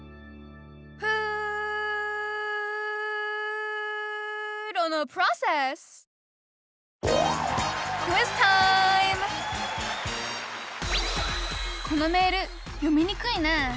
プーロのプロセスこのメール読みにくいねえ。